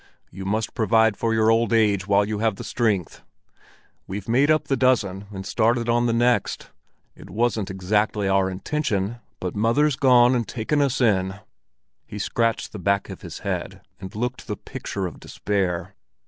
"You must provide for your old age while you have the strength. We've made up the dozen, and started on the next. It wasn't exactly our intention, but mother's gone and taken us in." He scratched the back of his head, and looked the picture of despair.